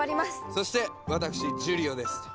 そして私ジュリオですと。